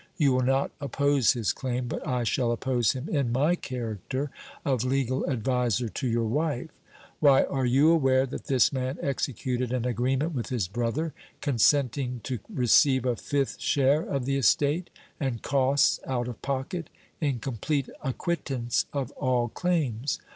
You will not oppose his claim; but I shall oppose him in my character of legal adviser to your wife. Why, are you aware that this man executed an agreement with his brother, consenting to receive a fifth share of the estate, and costs out of pocket, in complete acquittance of all claims?